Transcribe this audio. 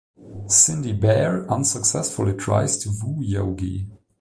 Cindy Bear unsuccessfully tries to woo Yogi.